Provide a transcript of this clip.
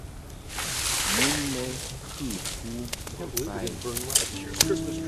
Mon lɛ kɨ tu mbo ba i.